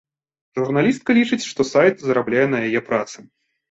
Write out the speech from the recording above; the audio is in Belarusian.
Журналістка лічыць, што сайт зарабляе на яе працы.